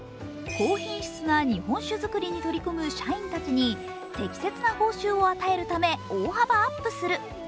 高品質な日本酒造りに取り組む社員たちに適切な報酬を与えるため大幅アップする。